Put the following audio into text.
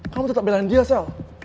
kamu tetep bilangin dia sel